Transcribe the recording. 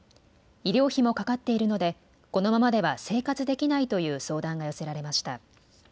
医療費もかかっているのでこのままでは生活できないという相談が寄せられました。